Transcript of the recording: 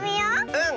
うん！